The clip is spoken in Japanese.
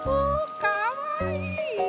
かわいい！